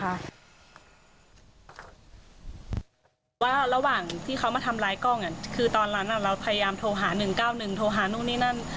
ระหว่างที่เขามาทำร้ายกล้องคือตอนนั้นเราพยายามโทรหา๑๙๑โทรหานู่นนี่นั่น